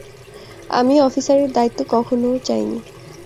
আমি অফিসারের দায়িত্ব কখনও চাইনি।